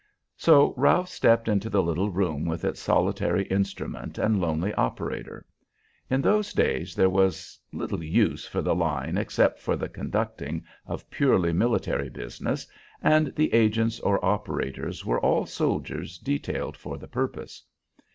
So Ralph stepped into the little room with its solitary instrument and lonely operator. In those days there was little use for the line except for the conducting of purely military business, and the agents or operators were all soldiers detailed for the purpose.